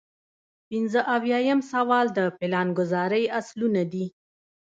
پنځه اویایم سوال د پلانګذارۍ اصلونه دي.